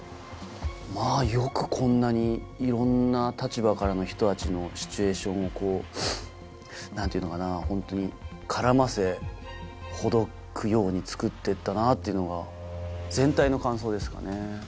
まぁよくこんなにいろんな立場からの人たちのシチュエーションを何ていうのかなホントに絡ませほどくように作ってったなっていうのが全体の感想ですかね。